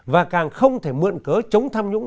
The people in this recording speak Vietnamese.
và càng không thể mượn cớ chống tham nhũng